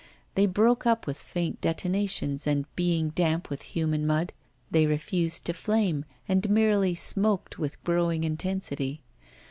They broke up with faint detonations, and being damp with human mud, they refused to flame, and merely smoked with growing intensity.